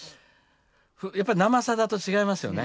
やっぱ「生さだ」と違いますよね。